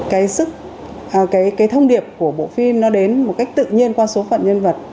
cái sức cái thông điệp của bộ phim nó đến một cách tự nhiên qua số phận nhân vật